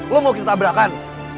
lo mau kita tabrakan